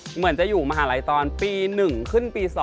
เหมือนจะอยู่มหาลัยตอนปี๑ขึ้นปี๒